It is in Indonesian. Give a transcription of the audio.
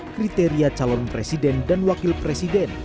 kriteria calon presiden dan wakil presiden